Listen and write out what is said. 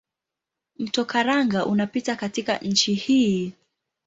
Mto Karanga unapita katika nchi hii.